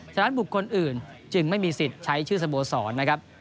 ฉะนั้นบุคคลอื่นจึงไม่มีสิทธิ์ใช้ชื่อสโมสรนะครับ